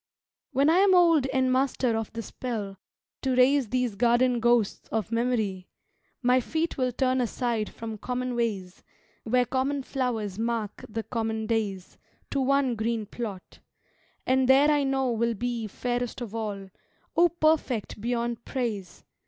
When I am old and master of the spell To raise these garden ghosts of memory, My feet will turn aside from common ways, Where common flowers mark the common days, To one green plot; and there I know will be Fairest of all (O perfect beyond praise!)